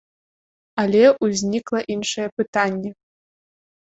Але ўзнікла іншае пытанне.